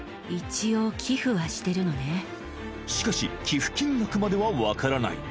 しかし寄付金額までは分からない